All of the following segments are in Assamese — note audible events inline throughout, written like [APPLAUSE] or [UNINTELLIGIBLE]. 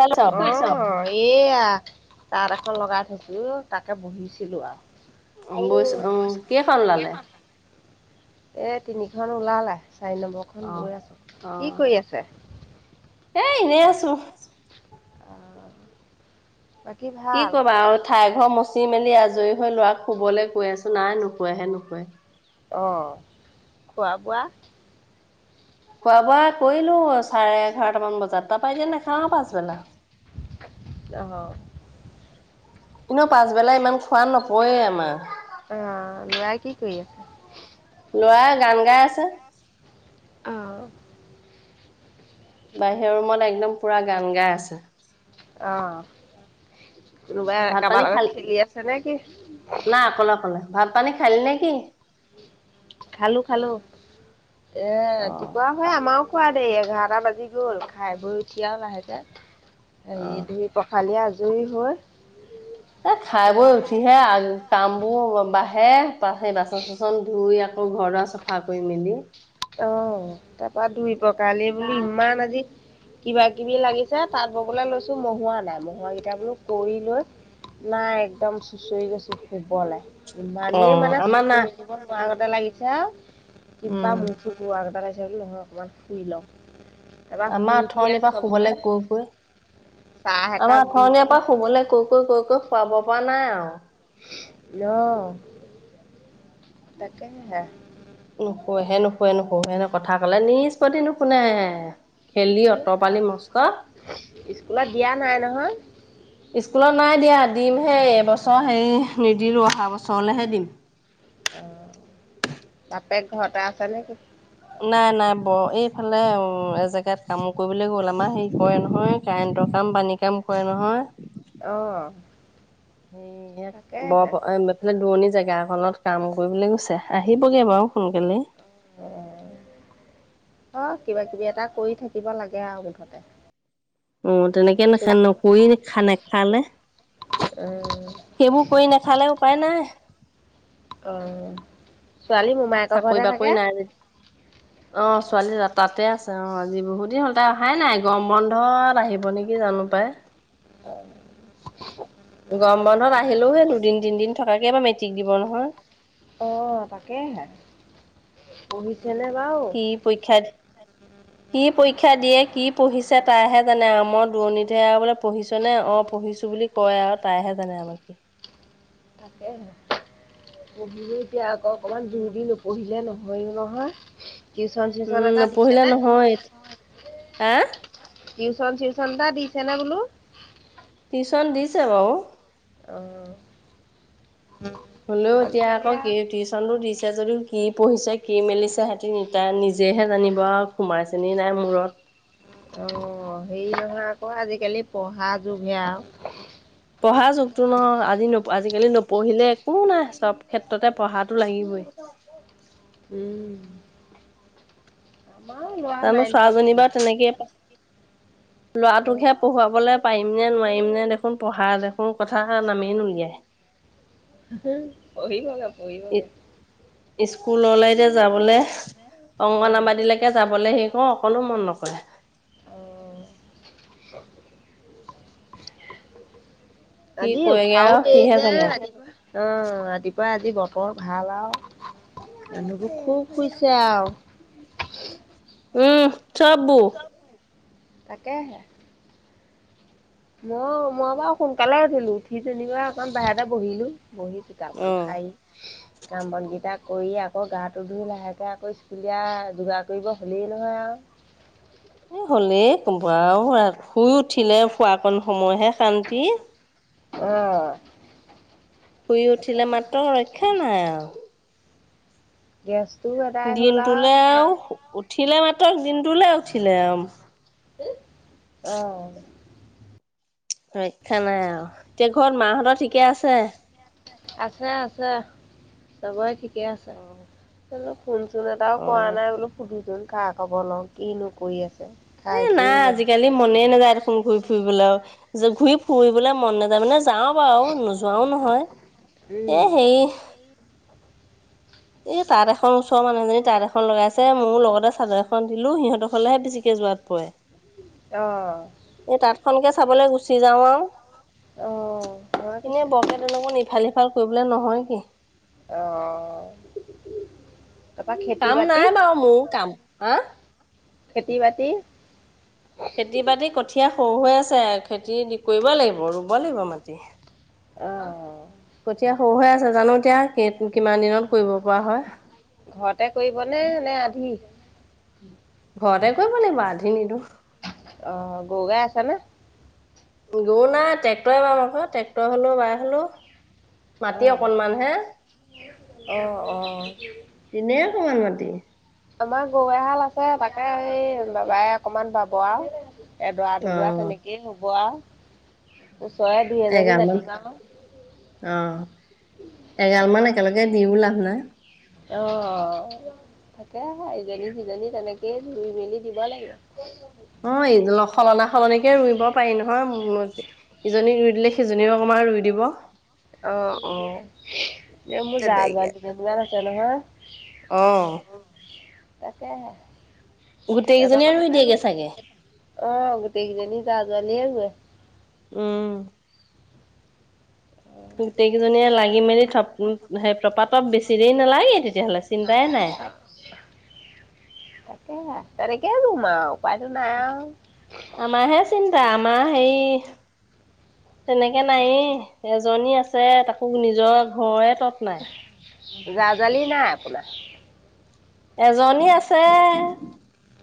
হেল্ল' অ, এয়া তাঁত এখন লগাই থৈছো তাকে বহিছিলোঁ আৰু বৈছ অ কেইখন ওলালে [UNINTELLIGIBLE] এ তিনিখন ওলালে চাৰি নম্বৰ খন অ বৈ আছো, অ কি কৰি আছে? এ এনেই আছো। বাকী কি ভাল? কৰিবা আৰু ঠাই ঘৰ মচি মেলি আজ আজৰি হৈ লোৱা শুবলৈ কৈ আছো নাই নুকোৱাহে, নুকোৱে। অঁ খোৱা বোৱা। খোৱা বোৱা কৰিলো চাৰে এঘাৰটামান বজাত তাৰাপাই যে নাখাওঁ পাছবেলা। অ, কিন্তু পাছবেলা ইমান খোৱা নপৰে আমাৰ। অ', ল'ৰাই [INAUDIBLE] ল'ৰাই গান গাই আছে আহঁ, বাহিৰৰ ৰুমত একদম পুৰা গান গাই আছে। আহ, কোনোবাই ভাত পানী কাৰোবাৰ খাল লগত খেলি আছে নেকি? নাই অকলে অকলে ভাত পানী খালি নে কি? খালো, খালো এ ৰাতিপুৱাও হয় আমাৰো খোৱা। দেই এঘাৰটা বাজি গ'ল। খাই বৈ উঠি আৰু লাহেকে অ অ হেৰি ধুই-পখালি আ- আজৰি হৈ। এ খাই বৈ এয়া উঠিহে কাম বোৰ বাঢ়ে [UNINTELLIGIBLE] বাচন চাচন ধুই আ- আকৌ ঘৰ দুৱা চাফা কৰি মেলি। অ', তাৰপা ধুই পখালি বোলো ইমান আজি। কিবা- কিবি লাগিছে। তাঁত ববলৈ লৈছো, মহোৱা নাই মহুৱা কেইটা বোলো কৰি লৈ। নাই একদম চোচৰী গৈছো শুবলে। অ ইমানেই মানে আমাৰ চকু না মেলিব নোৱাৰা আগতে লাগিছে আৰু কিবা উম মু চে বুলি নহয় অকণমান শুই লওঁ। তাৰপৰা শুই আমাৰ উঠি আঠৰনিৰ আৰু পৰা চবকে শুবলৈ কৈ কৈ চাহ আমাৰ একাপ দি আঠনিৰ লৈ পৰা শুবলৈ কৈ ক কৈ কৈ শুৱাব পৰা নাই আৰু অ তাকে হে নুশুৱে নুশুৱে নুশু হেন কথা কলে নিষ্পত্তি নুশুনে। খেলি এই অঁতৰ পালি ৰাম মস্ত স্কুলত দিয়া নাই নহয় স্কুলত নাই দিয়া। দিম হেই এবছৰ। হেৰি নিদিলো অহা বছৰলেহে দিম। অ', বাপেক ঘৰতে আছে নে কি? নাই নাই বৌ এইফালে এজেগাত কামো কৰিবলৈ গ'ল। আমাৰ হেৰি কৰে নহয় কাৰেণ্টৰ কাম। কাম পানী কাম কৰে নহয়। অহ। [UNINTELLIGIBLE] বৰ দূৰণি জেগাএ খনত কাম কৰিবলৈ গৈছে আহিব। হ'বগে বাৰু সোনকালে। অ কিবা কিবি এটা কৰি থাকিব লাগে আৰু মুঠতে। অ তেনেকে নে [UNINTELLIGIBLE] নকৰি নেখে- নেখালে। অহ। সেইবোৰ কৰি নাখালে, উপায় নাই। অ ছোৱালী মোমায়েকৰ চাকৰি ঘৰতে থাকে বাকৰি নাই যে [UNINTELLIGIBLE] অ' ছোৱালী তাতে আছে। অ', আজি বহুত দিন হল। তাই অহাই নাই, গৰম বন্ধত আহিব নেকি? জানো পাই। [INAUDIBLE] গৰম বন্ধত আহিলেও, সেই দুদিন তিনদিন থকাকে এবাৰ মেট্ৰিক দিব নহয়। অ', তাকেহে অ- [UNINTELLIGIBLE] কি পৰীক্ষা, কি পৰীক্ষা দিয়ে, কি পঢ়িছে? তাইহে জানে আ। মই দূৰণিত। [UNINTELLIGIBLE] আৰু বোলে পঢ়িছ নে? অ', পঢ়িছো বুলি কয় আৰু তাইহে জানে কি? তাকেহে। পঢ়িলেও এতিয়া অকমান জোৰ দি নপঢ়িলে নহয়, নহয়। টিউচন চিউচন উম এটা দিছে নপঢ়িলে নে? নহয় হা [UNINTELLIGIBLE] টিউচন চিউচন এটা দিছে নে? বোলো। টিউচন দিছে বাৰু। অ'। হলেও, এতিয়া আজিকালি আকৌ কি আৰু টিউচন টো দিছে যদিও। কি পঢ়িছে, কি মেলিছে। সিহঁতি তাই নিজেহে জানিব আৰু সোমাইচে নে নাই মূৰত। অ'।, হেৰি নহয় আকৌ আজিকালি পঢ়া যুগহে আও। পঢ়া যুগতো ন আজি ন [UNINTELLIGIBLE] আজিকালি নপঢ়িলে একো নাই চব ক্ষেত্ৰতে পঢ়া টো লাগিবই। উম। আমাৰ ল'ৰা আমাৰ নাইন ছোৱা [UNINTELLIGIBLE] জনী পালেহি বাাৰু তেনেকে প- [UNINTELLIGIBLE] আৰু লৰাটোকহে পঢ়োৱা বলে পাৰিম নে নোৱাৰিম নে দেখোন পঢ়া দেখোন কথা নামে নোলিয়াই পঢ়িবগে পঢ়িবগে স্কুল ললে যাবলৈ অ'। অংগনাবাদীলৈকে যাবলে সি কওঁ অকনো মন নকৰে অ কি আজি কৰেগে উঠাও আৰু দেই সিহে যে জানে ৰাতিপুৱা অ ৰাতিপুৱা আজি বতৰ ভাল আৰু মানুহ খুব শুইছে আও উম চব বোৰ। তাকেহে। মও মই বা সোনকালে উঠিলো। উঠি যেনিবা অকমান বাহিৰতে বহিলো। বহী চোতালখন অ'। সাৰি। কাম বনকেইটা কৰি। আকৌ, গাটো ধুই লাহেকে আকৌ স্কুলীয়া যোগাৰ কৰিব হ'লেই নহয় আও। [INAUDIBLE] এ হ'লে কম [INAUDIBLE] শুই উঠিলে শুৱা কন সময়হে শান্তি। অ'। শুই তাকে উঠিলে মাত্ৰ ৰক্ষা নাই আও গেছ দিনটোলে আও উঠিলে মাত্ৰক দিনটোলে উঠিলে আও অহ ৰক্ষা নাই আও এতিয়া ঘৰত মাহঁতৰ ঠিকে আছে আছে আছে চাবই ঠিকে আছে, অ হেল্ল ফোন চোন এটাও কৰা অ', নাই বোলো সুধো চোন খবৰ লও কিনো কৰি আছে এ খাই নাই আজিকালি মনে নাযায় দেখোন ঘুৰি ফুৰিবলৈ য আৰু যে ঘূৰি ফুৰিবলে মন নাযায় মানে যাও বাৰু আৰু নোযোৱাও নহয়, এ উম হেই, এই তাঁত এখন - - এখন ওচৰ মানুহজনী তাঁত এখন লগাইছে ময়ও লগতে চাদৰ এখন দিলো সিহঁত ঘৰলে হে বেছিকে যোৱাত পই অ এই তাঁতখনকে চাবলে গুচি যাওঁ আও, অহ হয় এনেই পিছে বৰপোতলমান ইফাল সিফাল কৰিবলে নহয় সি - - আহ কাম নাই বাও মোৰ কাম হা খেতি বাতি খেতি বাতি কঠীয়া সও হৈ আছে খেতি কৰিব লাগিব ৰুব লাগিব মাটি অ কঠীয়া সৰু হৈ আছে জানো এতিয়া কিমান দিনত কৰিব পৰা হয়। ঘৰতে কৰিব নে নে আধি? ঘৰতে কৰিব লাগিব আ্ধি নিদিও গগাই আছে নে? গৰু নাই ট্ৰেক্টৰে বাব আক ট্ৰেক্টৰ হ'লো বাই হলো- অহ অহ মাটি অকনমান হে অহ কিমান মাটি? আমাৰ গৰু এহাল আছে তাকে এই বাবাই অকমান বাব আৰু। এদৰা অ দুডৰা তেনেকেই হ'ব আৰু। দি এজনী এগাল মান মাতিবা আক। অ'! এগালমান একেলগে দিওঁ লাভ নাই। অ'! তাকেহে, ইজনী-সিজনী তেনেকেই, ৰোই-মেলি দিব লাগে। অ'! ইজ, সলনা-সলনিকে ৰোইব পাৰি নহয়। ইজনী ৰোই দিলে, সিজনী অকমান [UNINTELLIGIBLE] ৰুই দিব। অ' অহ। এ মোৰ জা তেনেকে -জোৱলি দুজনী মান আছে নহয়। অ [UNINTELLIGIBLE] তাকেহে। গোটেই কেইজনীয়ে ৰুই দিয়েগে চাগে। অ' গোটেই কেইজনী যা যোৱালীয়ে হৈ আ উম। গোটেইকেইজনীয়ে লাগি মেলি নালাগে থপ সেই তপাতপ বেছি দে নালাগে তেতিয়াহলে চিন্তাই নাই। [UNINTELLIGIBLE] তেনেকে ৰোম আও। আমাৰহে চিন্তা! আমাৰ সেই, তেনেকে নাইয়ে, এজনী আছে। তাকো, নিজৰ ঘৰে তৎ নাই। জা-জোৱালি নাই আপোনাৰ? এজনী আছে,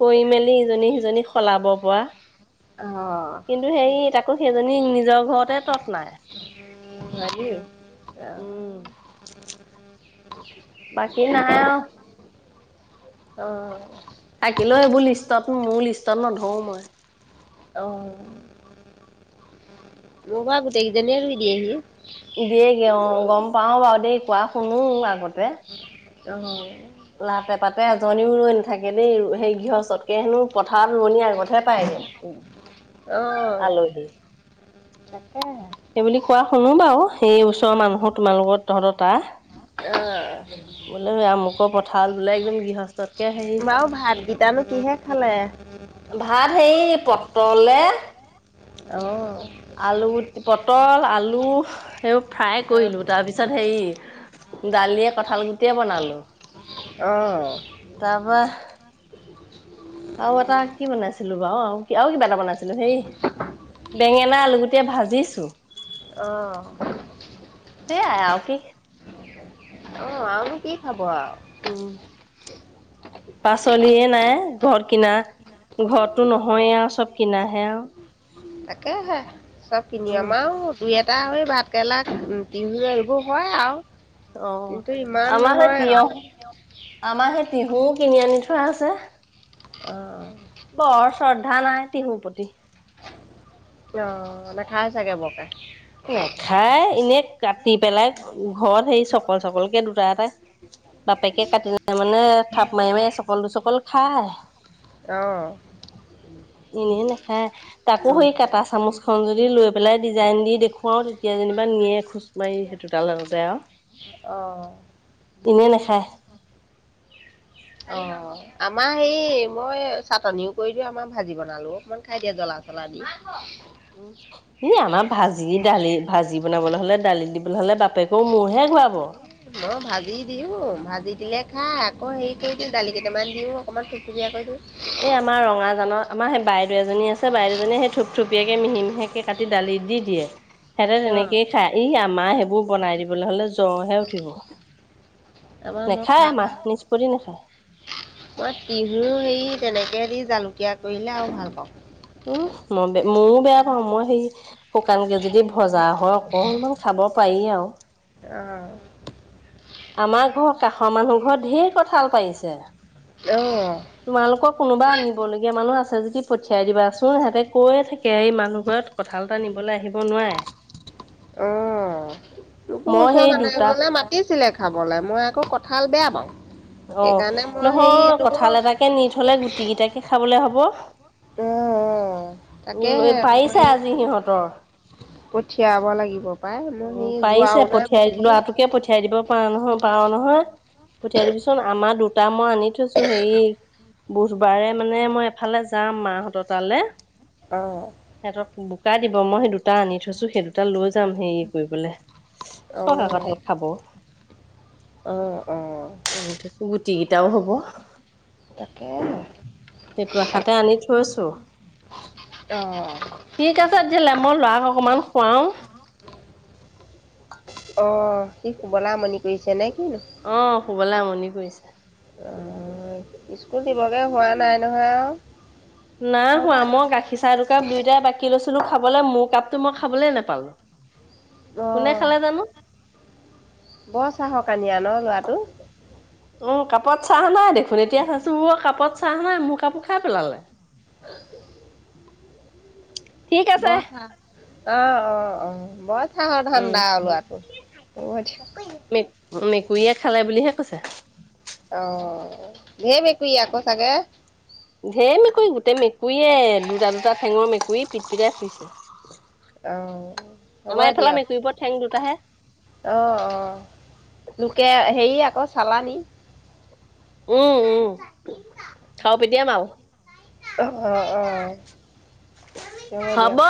কৰি-মেলি ইজনী-সিজনী সলাব পৰা। অ', কিন্তু সেই, তাকো সেইজনী, নিজৰ ঘৰতে তৎ নাই। [UNINTELLIGIBLE] এহ। উম বাকী নাই [UNINTELLIGIBLE] আৰু অহ। থাকিলেও, এইবোৰ লিষ্টত মোৰ লিষ্টত নধৰো মই। অ', মোৰ বা গোটেইকেইজীয়ে ৰুই দিয়েহি। দিয়েগে অ গম পাও বাৰু দেই কোৱা শুনো আগতে। অ'। লাতে, পাতে এজনীও ৰোৱ নাথাকে দেই সেই গৃহ চতকে হেনো পথাৰত ৰনী আগতহে পায় উ, অ', আলহী তাকেহে। সেইব কোৱা শুনো বাৰু সেই ওচৰৰ মানুহৰ অ', তোমাৰ লগোকত তহঁত ত বোলে আমুকৰ পথাল বোলে একদম গৃহস্থতকে হেৰি বাৰু ভাতকেইটানো কিহে খালে। পতলে অ'। আলু, পটল, আলু এইবোৰ ফ্ৰাই অ'। কৰিলো তাৰপিছত হেৰি দালিয়ে কঠাল গুটে বনালো অ', তাৰ পৰা আৰু এটা কি বনাইছিলো বাৰ আৰু, আৰু কিবা এটা বনাইছিলো। ছিলো সেই বেঙেনা আলুগুটিয় ভাজিছো। অ', স, আয়া অ, কি অ, আনি কি খাব? উম, পাচলিয়ে নাই ঘৰত কিনা ঘৰত [UNINTELLIGIBLE] নহয়, আৰু চব কিনাহে আৰু। তাকেহে চব কিনি উম আমাও দুই তাৰ সলনি ভাতকেৰেলা [UNINTELLIGIBLE] অ, আমাৰহে আৰু তিয়ঁহ আমাৰ সেই তিহুও কিনি আনি থোৱা আছে। অ'। বৰ শ্ৰদ্ধা নাই টিহুৰ প্ৰতি অ, নেখাই চাগে বৰকে। নেখায়, এনে কাটি পেলাই ঘৰত, সেই চকল, চকলকে দুটা-এটা বাপেকে কাটি, মানে থাপ মাৰি মাৰি, এচকল-দুচকল খায়। অ', এনেই নাখায়। তাকো অ', সেই কাঁটা-চামুচখন যদি লৈ পেলাই ডিজাইন দি দেখুৱাও তেতিয়া যেনিবা নিয়ে খোজ মাৰি অ'। [UNINTELLIGIBLE] দিলে নাখায়। অ', আমাৰ হে, মই চাটনিও কৰি দিওঁ, আমাৰ ভাজি বনালেও, অকণমান খাই দিয়া, জ্বলা। মছলা দি উম, আমাৰ ভাজি-দালি ভাজি বনাবলৈ হ'লে, দালি দিবলৈ হ'লে, বাপেকেও মূৰ মই ভাজি দিওঁ, ভাজি দিলে খাই। আকৌ, হেৰি কৰি দিওঁ, দালি কেইটামান দিওঁ, অকণমান থুপথুপীয়া কৰি দিওঁ। এই, আমাৰ ৰঙাজানৰ, আমাৰ সেই বাইদেউ এজনী আছে। বাইদেউজনী সেই থুপ থুপ [UNINTELLIGIBLE] মিহি মিহিকে কাটি দালিত দি দিয়ে। সেহতে তেনেকে খাই ই মায়ে সেইবোৰ বনাই দিবলৈ হ'লে, জ্বৰহে উঠিব। তাৰপৰা মই নেখায় খাই আমাৰ ভাল নিষ্পত্তি নাখায় মই তিহো হেৰি তেনেকে [UNINTELLIGIBLE] দি জালুকীয়া কৰিলে আৰু ভাল পাওঁ। উম, মই বে ময়ো বেয়া পাওঁ। মই সেই শুকানকে, যদি ভজা হয়, অকণমান খাম। অ, পাৰি আৰু অ'। আমাৰ ঘৰৰ কাষৰ মানুহ ঘৰত ধেৰ কঠাল পাৰিছে। অ তোমালোকৰ কোনোবা আনিব লগীয়া মানুহ আছে যদি পঠিয়াই দিবাচোন। সিহঁতে কয়ে থাকে, এই মানুহ ঘৰত কঁথালতা নিবলৈ আহিব নোৱাৰে। অ, তোকো মই ওচৰৰ সেই মানুহ এ, দুটা ঘলে মাতিছিলে। খাবলৈ, মই আকৌ কঁঠাল বেয়া পাওঁ। অ', সেইকাৰণে মই হেৰি নহয় কঠাল এটাকে নি থ'লে, গুটি কেইটাকে খাবলে হব। উম, উম। উম, এই পাৰিছে আজি সিহঁতৰ। পঠিয়াব লাগিব পাই, মই উম, সেই যোৱাও পাৰিছে। নাই পঠিয়াই বহুত দিন। ল'ৰাটোকে পঠিয়াই দিব পাৰ নহয়, পাৰ নহয়। পঠিয়াই দিবিচোন। আমাৰ দুটা মই আনি থৈছোঁ, হেৰি বুধবাৰে মানে মই এফালে যাম, মাহঁতৰ তালে। অ'। সিহঁতক বোকা দিব। মই সেই দুটা আনি থৈছোঁ, সেই দুটা লৈ যাম, হেৰি কৰিবলৈ। অ', [UNINTELLIGIBLE] খাব। অ', অ', [UNINTELLIGIBLE] গুটি কেইটাও হব। তাকেহে। সেইটো আশাতে আনি থৈছোঁ। অ', ঠিক আছে [UNINTELLIGIBLE] হলে মই লৰাক অকমান শুৱাও। অ', সি শুবলে আমণি কৰিছে নে। কিনো? অ', শুবলে আমনি কৰিছে। অ', স্কুল দিবগে হোৱা নাই নহয়, আও। নাই হোৱা, মই গাখীৰ চাহ, দোকাপ- দুয়োটাই বাকী লৈছ ছিলো খাবলে মোৰ কাপটো মই খাবলে নোপালো, কোনে অ', খালে জানো? বৰ চাহকানি আ। উম, কাপত চাহ নাই দেখোন। এতিয়া চাইছো অ কাপত চাহ নাই মোৰ কাপো খাই পেলালে [INAUDIBLE] ঠিক আছে বত অ অ অ বত চাহৰ উম ধান্দা ওলোৱাটো হব দিয়া মে মেকুৰীয়ে খালে বুলিহে কৈছে ধেৰ মেকুৰী আক চাগে ধেই মেকুৰী গোটেই মেকুৰীয়ে দুটা দুটা ঠেঙৰ মেকুৰী পিটিকাই ফুইছে অহ হ'ব দিয়ক মেকুৰীবোৰৰ ঠেং দুটাহে অ অ লোকে হেৰি আকৌ চালানী উম উম খাও পিতিয়াম আও অহ অহ হব দিয়ক